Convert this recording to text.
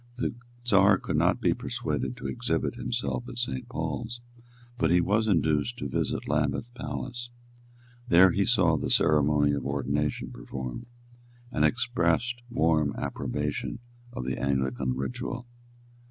The Czar could not be persuaded to exhibit himself at Saint Paul's; but he was induced to visit Lambeth palace. There he saw the ceremony of ordination performed, and expressed warm approbation of the Anglican ritual.